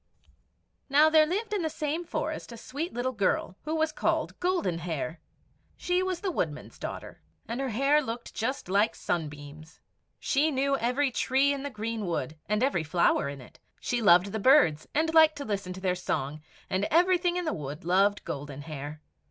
Now there lived in the same forest a sweet little girl, who was called Golden Hair. She was the Woodman's daughter, and her hair looked just like sunbeams. She knew every tree in the greenwood, and every flower in it. She loved the birds, and liked to listen to their song; and everything in the wood loved Golden Hair.